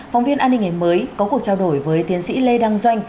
phóng viên an ninh ngày mới có cuộc trao đổi với tiến sĩ lê đăng doanh